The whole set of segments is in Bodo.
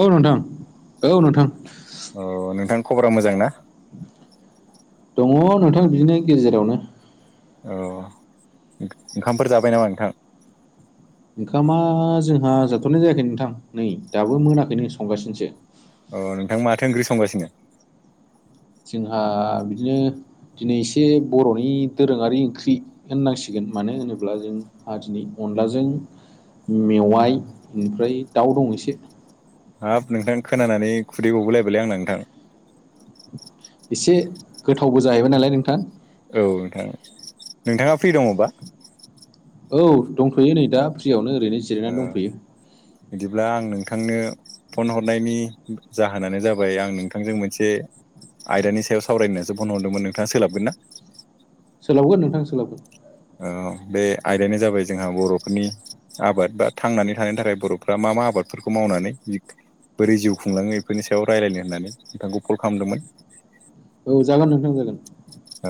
औ नोंथां औ नोंथां औ नोंथां खबरा मोजां ना? दङ नोंथां बिदिनो गेजेरावनो ओ ओंखामफोर जाबाय नामा नोंथां? ओंखामा जोंहा जाथ'नाय जायाखै नोंथां नै दाबो मोनाखैनो संगासिनोसो। अ नोंथा माथो ओंख्रि संगासिनो? जोंहा बिदिनो दिनै एसे बर'नि दोरोङारि ओंख्रि होननांसिगोन मानो होनोब्ला जोंहाहा दिनै अनलाजों मेवाइ ओनिफ्राय दाउ दं एसे हाब नोंथां खोनानानै खुदै गगुलायबायलै आंना नोंथां। एसे गोथावबो जाहैबाय नालाय नोंथां। औ नोंथां नोंथाङा फ्रि दङबा? औ दंथ'यो नै दा फ्रियावनो ओरैनो ओ जिरायनानै दंथ'यो बिदिब्ला आं नोंथांनो फन हरनायनि जाहोनानो जाबाय आं नोंथांजों मोनसे आयदानि सायाव सावरायनानैसो फन हरदोंमोन नोंथाङा सोलाबगोन ना? सोलाबगोन नोंथां सोलाबगोन ओ बे आयदायानो जाबाय जोंहा बर'फोरनि आबाद बा थांनानै थानायनि थाखाय बर'फ्रा मा मा आबादफोरखौ मावनानै बोरै जिउ खुंलाङो बेफोरनि सायाव रायज्लायनो होननानै नोंथांखौ कल खालामदोंमोन। औ जागोन नोंथां जागोन।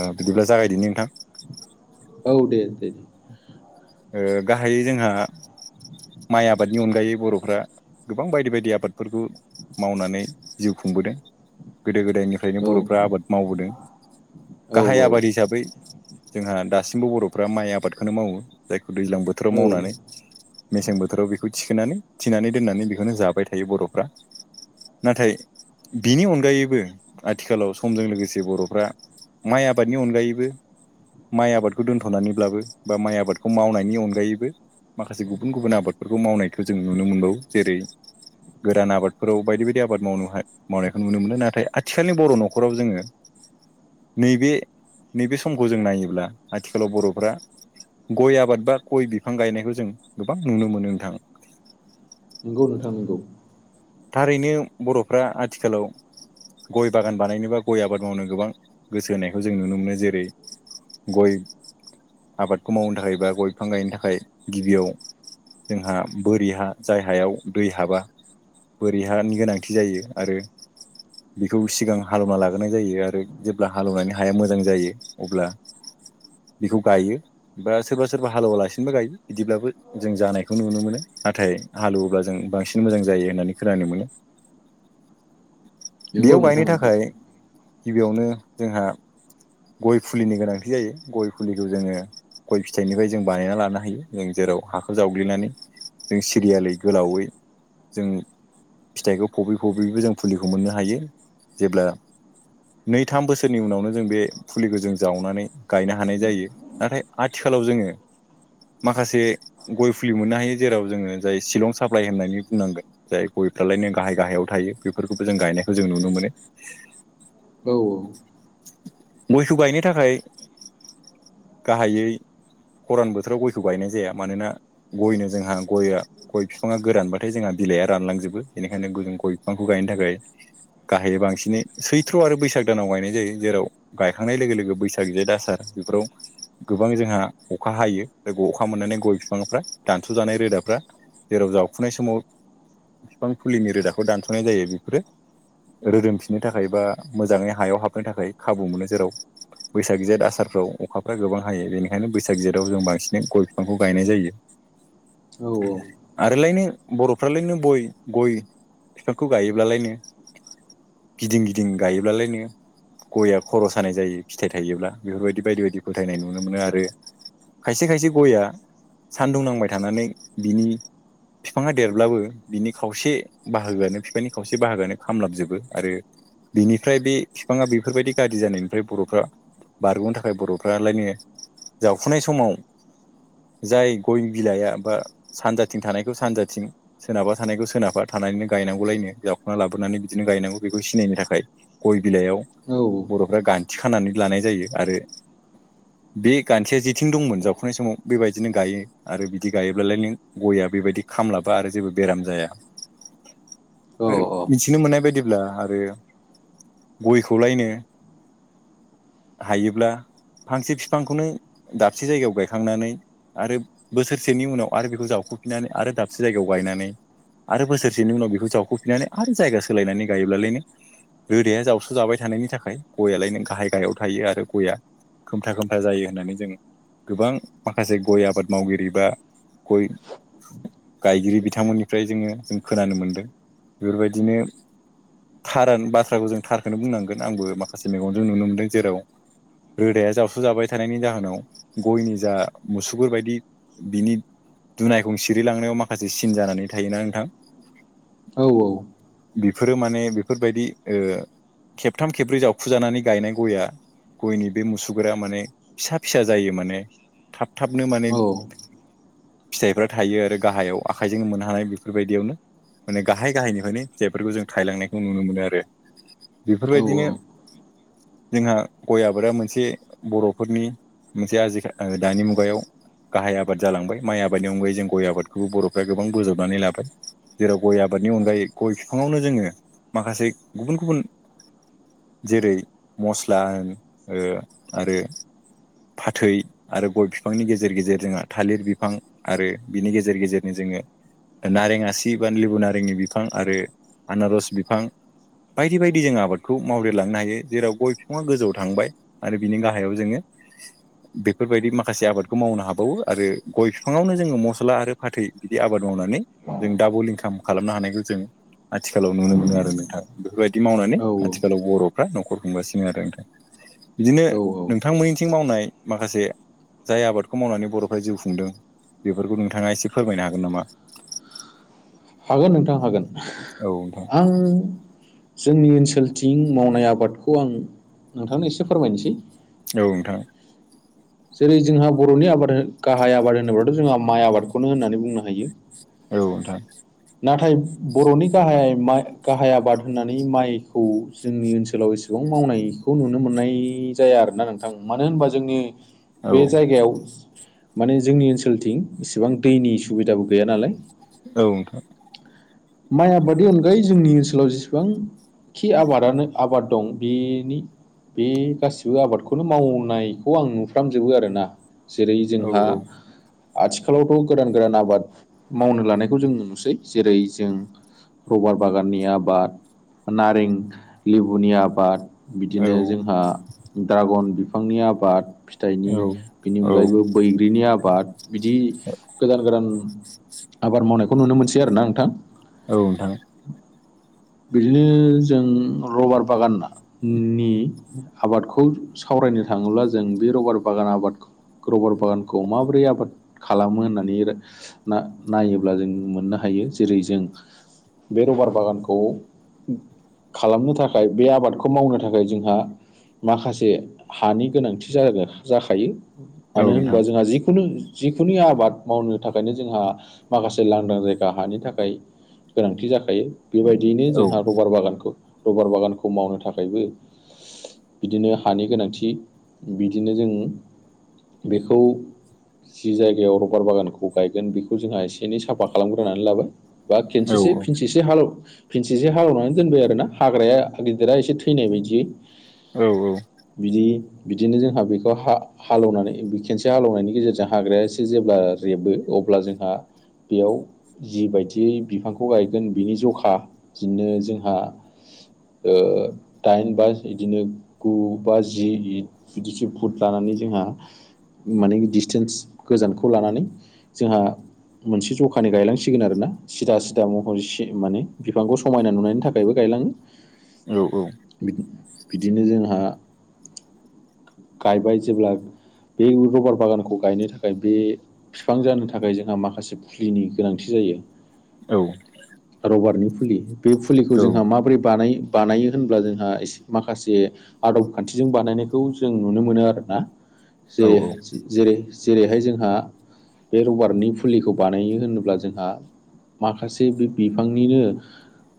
ओ बिदिब्ला जागायदिनि नोंथां औ दे दे दे ओ गाहायै जोंहा माइ आबादनि अनगायै बर'फ्रा गोबां बायदि बायदि आबादफोरखौ मावनानै जिउ खुंबोदों गोदो गोदायनिफ्राय नो औ बर'फ्रा आबाद मावबोदों गाहाय औ आबाद हिसाबै जोंहा दासिमबो बर'फ्रा माइ आबादखौनो मावो जायखौ दैज्लां बोथोराव औ औ मावनानै मेसें बोथोराव बेखौ थिखोनानै थिनानै दोननानै बेखौनो जाबाय थायो बर'फ्रा नाथाय बिनि अनगायैबो आथिखालाव समजों लोगोसे बर'फ्रा माइ आबादनि अनगायैबो माइ आबादखौ दोन्थ'नानैब्लाबो बा माइ आबाद खौ मावनायनि अनगायैबो माखासे गुबुन गुबुन आबादफोरखौ मावनायखौ जों नुनो मोनबावो जेरै गोरान आबादफोराव बायदि बायदि आबाद मावनो हाय मावनायखौ नुनो मोनो नाथाय आथिखालनि बर' न'खराव जोङो नैबे नैबे समखौ जों नायोब्ला आथिखालाव बर'फ्रा गय आबाद बा गय बिफां गायनायखौ जों गोबां नुनो मोनो नोंथाङा नंगौ नोंथां नंगौ। थारैनो बर'फ्रा आथिखालाव गय बागान बानायनोबा गय आबाद मावनो गोबां गोसो होनायखौ जों नुनो मोनो जेरै गय आबादखौ मावनो थाखाय बा गय बिफां गायनो थाखाय गिबियाव जोंहा बोरि हा जाय हायाव दै हाबा बोरैहानि गोनांथि जायो आरो बेखौ सिगां हालेवना लाग्रोनाय जायो आरो जेब्ला हालेवनानै हाया मोजां जायो अब्ला बेखौ गायो। बा सोरबा सोरबा हालेवालासिनोबो गायो बिदिब्लाबो जों जानायखौ नुनो मोनो नाथाय हालेवोब्ला जों बांसिन मोजां जायो होननानै खोनानो मोनो नंगौ बेयाव नोंथां गायनो नंगौ थाखाय गिबियावनो जोंहा गय फुलिनि गोनांथि जायो गय फुलिखौ जोङो गय फिथाइनिफ्राय जों बानायना लानो हायो जों जेराव हाखौ जावग्लिनानै जों सिरियालै गोलावै जों फिथाइखौ फब फबबो जों फुलिखौ मोननो हायो जेब्ला नै थाम बोसोरनि उनावनो जों बे फुलिखौ जों जावनानै गायनो हानाय जायो। नाथाय आथिखालाव जोङो माखासे गय फुलि मोननो हायो जेराव जोङो जाय शिलं साप्लााय होननानै बुंनांगोन जाय गयफ्रालाय नों गाहाय गाहायाव थायो बेफोरखौबो जों गायनायखौ जों नुनो मोनो औ औ। मैसौ गायनो थाखाय गाहायै खरान बोथोराव गयखौ गायनाय जाया मानोना गयनो जोंहा गया गय फिफाङा गोरानबाथाय जोंहा बिलाइआ रानलांजोबो बेनिखायनो [unintelligible] गय बिफांखौ गायनो थाखाय गाहायै बांसिनै सैथ्र' आरो बैसाग दानाव गायनाय जायो जेराव गायखांनाय लोगो लोगो बैसाग, जेद, आसार बेफोराव गोबां जोंहा अखा हायो, अखा मोननानै गय बिफांफ्रा दानस' जानाय रोदाफ्रा जेराव जावखुनाय समाव बिफां फुलिनि रोदाखौ दानस'नाय जायो बेफोरो रोदोमफिननो थाखाय बा मोजाङै हायाव हाबनो थाखाय खाबु मोनो जेराव बैसाग जेठ आसारफ्राव अखाफ्रा गोबां हायो बेनिखायनो बैसाग जेथाव जों बांसिन गय बिफांखौ गायनाय जायो। [inaudible] औ औ। आरोलायनो बर'फ्रालायनो बय गय फिफांखौ गायोब्लालायनो गिदिं गिदिं गाइयोब्लालायनो गया खर' सानाय जायो फिथाइ थायोब्ला बेफोरबायदि बायदि बायदि फोथायनाय नुनो मोनो आरो खायसे खायसे गयआ सानदुं नांबाय थानानै बिनि फिफाङा देरब्लाबो बिनि खावसे बाहागोआनो फिफांनि खावसे बाहागोआनो खामलाबजोबो आरो बिनिफ्राय बे फिफाङा बेफोरबायदि गाज्रि जानायनिफ्राय बर'फ्रा बारग'नो थाखाय बर'फ्रालायनो जावखुनाय समाव जाय गय बिलाइआ बा सानजाथिं थानायखौ सानजाथिं सोनाबहा थानायखौ सोनाबा थानायैनो गायनांगौलायनो जाउखुना लाबोनानै बिदिनो गायनांगौ बेखौ सिनायनो थाखाय। गय बिलायाव औ बर'फ्रा गान्थि खानानै लानाय जायो आरो बे गान्थिया जेथिं दंमोन जाउखुनाय समाव बेबायदिनो गाइयो। आरो बिदि गाइयोब्लालायनो गयआ बेबायदि खामलाबा आरो जेबो बेराम जाया औ मिथिनो मोननाय बायदिब्ला आरो गयखौलायनो हायोब्ला फांसे फिफांखौनो दाबसे जायगायाव गायखांनानै आरो बोसोरसेनि उनाव आरो बेखौ जावखुफिननानै आरो दाबसे जायगायाव गायनानै आरो बोसोरसेनि उनाव बेखौ जावखुफिननानै आरो जायगा सोलायनानै गाइयोब्लालायनो रोदाया जावस्रो जाबाय थानायनि थाखाय गययालायनो गाहाय गाहायाव थाइयो आरो गयआ खोमथा खोमथा जायो होननानै जोङो गोबां माखासे गय आबाद मावगिरि बा गय गायगिरि बिथांमोननिफ्राय जोङो जों खोनानो मोनदों बेफोरबायदिनो थार बाथ्राखौ जों थारखौनो बुंनांगोन आंबो माखासे मेगनजों नुनो मोनदों जेराव रोदाया जावस्रुजाबाय थानायनि जाहोनाव गयनि जा मुसुगुर बायदि बिनि दुनायखं सिरिलांनायाव माखासे सिन जानानै थायोना नोंथां। औ औ। बेफोरो माने बेफोरबायदि ओ खेबथाम खेबब्रै जावखुजानानै गायनाय गयआ गयनि बे मुसुगुरा माने फिसा फिसा जायो माने थाब थाबनो माने औ फिथाइफ्रा थाइयो आरो गाहायाव आखाइजोंनो मोनहा हानाय बेफोरबायदियावनो माने गाहाय गाहायनिफ्रायनो जायफोरखौ जों थायलांनायखौ नुनो मोनो आरो। बेफोरबायदिनो जोंहा गय आबादा मोनसे बर'फोरनि मोनसे आजिखा ओ दानि मुगायाव गाहाय आबाद जालांबाय माइ आबादनि अनगायै जों गय आबादखौबो बर'फ्रा गोबां बोजबबाय नानै लाबाय जेराव गय आबादनि अनगायै गय बिफाङावनो जोङो माखासे गुबुन गुबुन जेरै मस्ला होन आरो फाथै आरो गय बिफांनि गेजेर गेजेर जोंहा थालिर बिफां आरो बिनि गेजेर गेजेरनो जोङो नारें आसि बा लेबु नारेंनि बिफां आरो आनारस बिफां बायदि बायदि जों आबादखौ मावदेरलांनो हायो जेराव गय बिफाङा गोजौआव थांबाय आरो बिनि गाहायाव जोङो बेफोरबायदि माखासे आबादखौ मावनो हाबावो आरो गय फिफाङावनो जोङो मस्ला आरो फाथै बिदि आबाद मावनानै जों डाबल इनकाम खालामनो हानायखौ जों आथिखालाव नुनो मोनो आरो नोंथा बेफोरबायदि मावनानै औ आथिखालाव बर' फ्रा न'खर खुंगासिनो आरो नोंथां बिदिनो औ औ नोंथांमोननिथिं मावनाय माखासे जाय आबादखौ मावनानै बर'फ्रा जिउ खुंदों बेफोरखौ नोंथाङा एसे फोरमायनो हागोन नामा? हागोन नोंथां हागोन। औ नोंथां। आं जोंनि ओनसोलथिं मावनाय आबादखौ आं नोंथांनो एसे फोरमायनोसै औ नोंथां जेरै जोंहा बर'नि आबाद गाहाय आबाद होनोब्लाथ' जोंहा माइ आबादखौनो होननानै बुंनो हायो औ नोंथां नाथाय बर'नि गाहाय गाहाय माइ आबाद होननानै माइखौ जोंनि ओनसोलाव एसे बां मावनायखौ नुनो मोननाय जाया आरोना नोंथां मानो होनबा जोंनि औ बे जायगायाव माने जोंनि ओनसोलथिं इसेबां दैनि सुबिदाबो गैया नालाय औथ' माइ आबादनि अनगायै जोंनि ओनसोलाव जेसेबां खि आबादानो आबाद दं बिनि बे गासिबो आबादखौनो मावनायखौ आं नु फ्रामजोबो आरोना जेरै औ जोंहा आथिखालावथ' गोदान गोदान आबाद मावनो लानायखौ जों नुनोसै जेरै जों रबार बागाननि आबाद नारें लेबुनि आबाद औ बिदिनो जोंहा ड्रागन बिफांनि आबादि फिथाइनि बेनि औ अनगायैबो बैग्रिनि आबाद बिदि गोदान गोदान आबाद मावनायखौ नुनो मोनसै आरो ना नोंथां औ नोंथां बिदिनो जों रबार बागाननि आबादखौ सावरायनो थाङोब्ला जों बे रबार बागान आबादखौ रबार बागानखौ माबोरै आबाद खालामो होननानै ना नायोब्ला जों मोननो हायो जेरै जों बे रबार बागानखौ खालामनो थाखाय बे आबादखौ मावनो थाखाय जोंहा माखासे हानि गोनांथि जागोन जाखायो औ मानो नोंथां होनोबा जोंहा जिखुनु जिखुनु आबाद मावनो थाखायनो जोंहा माखासे लांदां जायगा हानि थाखाय गोनांथि जाखायो बेबायदियैनो औ जोंहा रबार बागानखौ रबार बागानखौ मावनो थाखायबो बिदिनो हानि गोनांथि बिदिनो जों बेखौ जि जायगायाव रबार बागानखौ गायगोन बेखौ जोंहा एसे एनै साफा खालामग्रोनानै लाबाय बा औ खनसेसो फिनसेस एसे हाल फिनसे एसे हालेवनानै दोनबाय आरो ना हाग्राया गिदिरा एसे थैनाय बायदियै औ औ बिदि बिदिनो जोंहा बेखौ हा हालेवनानै खेनसे हालेनायनि गेजेरजों हाग्राया एसे जेब्ला रेबो अब्ला जोंहा बेयाव जिबायदियै बिफांखौ गायगोन बिनि जखा बिदिनो जोंहा ओ दाइन बा बिदिनो गु बाजि इ बिदिसो फुट लानानै जोंहा माने डिसटेन्स गोजानखौ लानानै जोंहा मोनसे जखानि गायलांसिगोन आरो ना सिदा सिदा महर सि माने बिफांखौ समायना नुनायनि थाख खायबो गायलाङो औ औ बिदिनो जोंहा गायबाय जेब्ला बे रबार बागानखौ गायनो थाखाय बे बिफां जानो थाखाय जोंहा माखासे फुलिनि गोनांथि जायो औ रबारनि फुलि बे फुलिखौ औ जोंहा माबोरै बानाय बानायो होनब्ला जोंहा एसे माखासे आदब खान्थिजों बानायनायखौ जों नुनो मोनो आरोना जेरै जेरै जेरैहाय जोंहा बे रबारनि फुलिखौ बानायो होनोब्ला जोंहा माखासे बे बिफांनिनो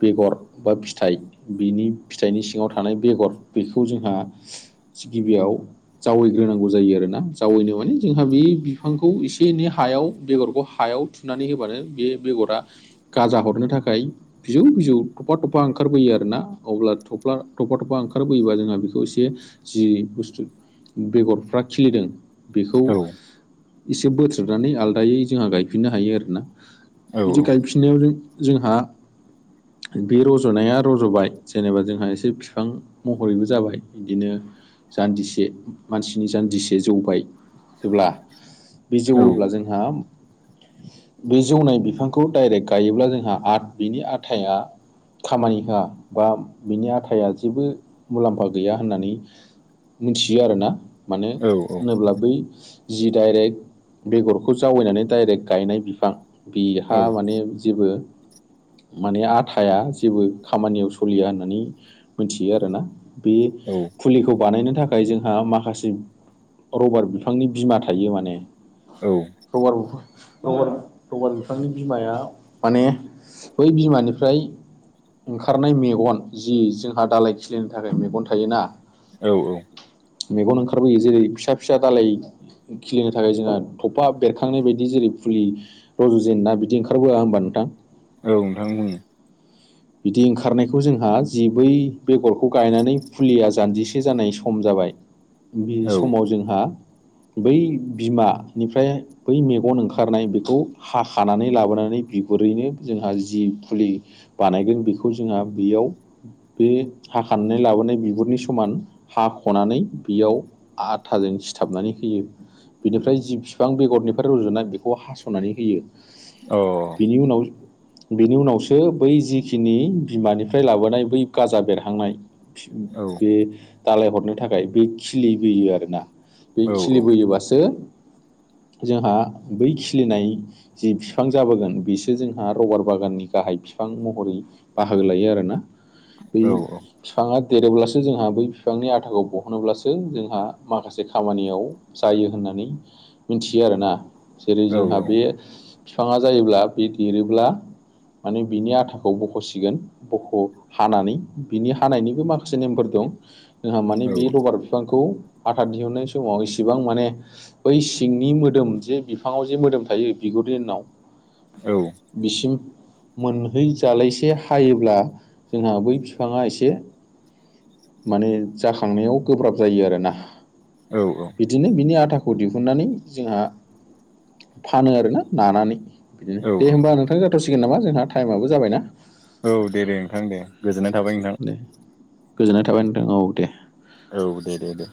बेगर बा फिथाइ बिनि फिथाइनि सिङाव थानाय बेगर बेखौ जोंहा सो गिबियाव जावैग्रोनांगौ जायो आरो ना जावैनो माने जोंहा बे बिफांखौ एसे एनै हायाव बेगरखौ हायाव थु नानै होबानो बे बेगरा गाजा हरनो थाखाय बिजौ बिजौ थफा थफा ओंखारबोयो आरोना अब्ला थफ्ला थफा थफा ओंखारबोयोबा जोंहा बेखौ एसे जि बुस्थु बेगरफ्रा खिलिदों बेखौ एसे बोथ्रोदनानै आलदायै जोंहा गायफिननो हायो आरोना बिदि गायफि नायावनो जोंहा बे रज'नाया रज'बाय जेनेबा जोंहा एसे फिफां महरैबो जाबाय बिदिनो जान्दिसे मानसिनि जान्जिसे जौबाय जेब्ला बे जौऔब्ला जोंहा बे जौनाय बिफांखौ डाइरेक्ट गायोब्ला जोंहा आथ बिनि आथाया खामानि होआ बा बिनि आथाया जेबो मुलाम्फा गैया होननानै मिथियो आरो ना मानो होनोब्ला बै जि डाइरेक्ट बेगरखौ जावैनानै डाइरेक्ट गायनाय बिफां बेहा माने जेबो माने आथाया जेबो खामानियाव सलिया होननानै मिथियो आरोना बे खौ बानायनो थाखाय जोंहा माखासे रबार बिफांनि बिमा थायो माने औ रबार बिफ रबार रबार बिफांनि बिमाया माने बै बिमानिफ्राय ओंखारनाय मेगन जि जोंहा दालाय खिलिनो थाखाय मेगन थायोना औ औ मेगन ओंखारबोयो जेरै फिसा फिसा दालाय खिलिनो थाखाय जोंहा थफा बेरखांनाय बायदि जेरै फुलि रज' जेनो ना बिदि ओंखारबोआ होमबा नोंथां औ नोंथां बुङो बिदि ओंखारनायखौ जोंहा जि बै बेगरखौ गायनानै फुलिया जान्जिसे जानाय सम जाबाय बे समाव जोंहा बै बिमानिफ्राय बै मेगन ओंखारनाय बेखौ हाखानानै लाबोनानै बिगुरैनो जोंहा जि फुलि बानायगोन बेखौ जोंहा बेयाव बे हाखानानै लाबोनाय बिगुरनि समान हाख'नानै बेयाव आथाजों सिथाबनानै होयो। बिनिफ्राय जि बिफां बेगरनिफ्राय रुजुनाय बेखौ हास'नानै होयो। अह। बिनि उनाव बिनि उनावसो बै जिखिनि बिमानिफ्राय लाबोनाय बै गाजा बेरहांनाय फि बे दालाय हरनो थाखाय बे खिलि बोयो आरोना बे खिलि बोयोबासो जोंहा बै खिलिनाय जि फिफां जाबोगोन बिसो जोंहा रबार बागाननि गाहाय फि फां महरै बाहागो लायो आरोना बै फिफाङा देरोब्लासो जोंहा बै फिफांनि आथाखौ बहनोब्लासो जोंहा माखासे खामानियाव जायो होननानै मिथियो आरोना जेरै जोंहा बे फिफाङा जायोब्ला बे देरोब्ला माने बिनि आथाखौ बख'सिगोन बख' हानानै बिनि हानायनिबो माखासे नेमफोर दं। जोंहा माने बे लबार बिफांखौ आथा दिहुननाय समाव इसेबां माने बै सिंनि मोदोम जे बिफाङाव जे मोदोम थायो बिगुरनि उनाव औ। बिसिम मोनहैजालायसे हायोब्ला जोंहा बै बिफाङा एसे माने जाखांनायाव गोब्राब जायो आरोना। औ औ। बिदिनो बिनि आथाखौ दिहुननानै जोंहा फानो आरोना नानानै बिदिनो, दे होमबा नोंथां जाथ'सिगोन नामा जोंहा थाइमाबो जाबाय ना? औ दे दे नोंथां दे गोजोननाय थाबाय नोंथां। दे गोजोननाय थाबाय नोंथां औ दे। औ दे दे दे।